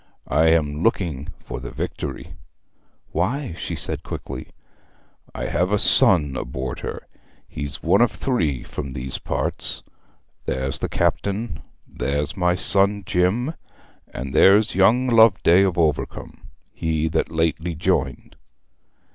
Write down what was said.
I am looking for the Victory.' 'Why,' she said quickly. 'I have a son aboard her. He's one of three from these parts. There's the captain, there's my son Ned, and there's young Loveday of Overcombe he that lately joined.'